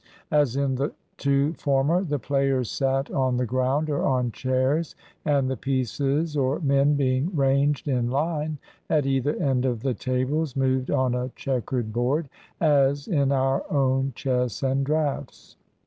As in the two former, the players sat on the ground, or on chairs, and the pieces, or men, being ranged in line at either end of the tables, moved on a checkered board, as in our own chess and draughts.